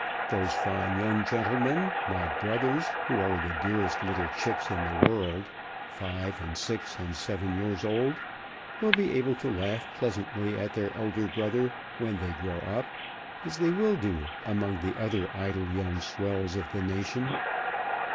Those fine young gentlemen, my brothers, who are the dearest little chicks in the world, five and six and seven years old, will be able to laugh pleasantly at their elder brother when they grow up, as they will do, among the other idle young swells of the nation.